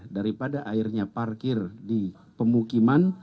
daripada airnya parkir di pemukiman